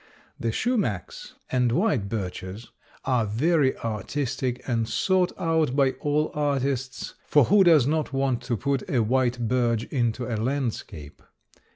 The shumachs and white birches are very artistic and sought out by all artists, for who does not want to put a white birch into a landscape!